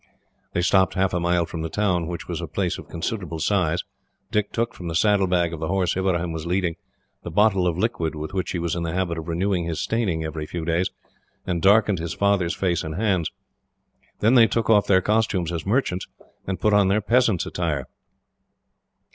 They stopped half a mile from the town, which was a place of considerable size. Dick took, from the saddlebag of the horse Ibrahim was leading, the bottle of liquid with which he was in the habit of renewing his staining every few days, and darkened his father's face and hands. Then they took off their costumes as merchants, and put on their peasants' attire.